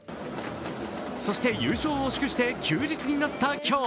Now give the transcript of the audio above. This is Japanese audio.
そして優勝を祝して休日になった今日。